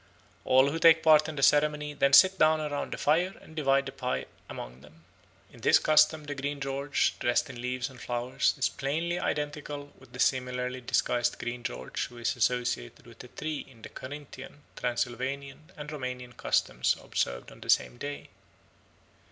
All who take part in the ceremony then sit down around the fire and divide the pie among them. In this custom the Green George dressed in leaves and flowers is plainly identical with the similarly disguised Green George who is associated with a tree in the Carinthian, Transylvanian, and Roumanian customs observed on the same day.